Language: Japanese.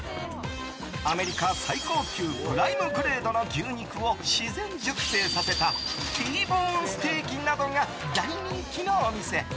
アメリカ最高級プライムグレードの牛肉を自然熟成させたＴボーンステーキなどが大人気のお店。